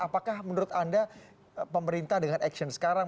apakah menurut anda pemerintah dengan action sekarang